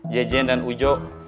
jejen dan ujo